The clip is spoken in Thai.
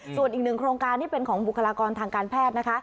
ส่วนอีกหนึ่งโครงการที่เป็นของบุคลากรทางการแพทย์นะคะ